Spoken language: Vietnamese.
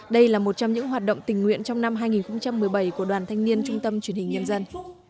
đây là một trong những hoạt động tình nguyện trong năm hai nghìn một mươi bảy của đoàn thanh niên trung tâm truyền hình nhân dân